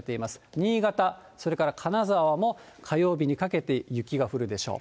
新潟、それから金沢も火曜日にかけて雪が降るでしょう。